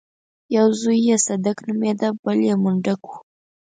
يو زوی يې صدک نومېده بل يې منډک و.